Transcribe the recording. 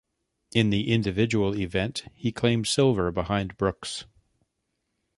In the individual event, he claimed silver behind Brooks.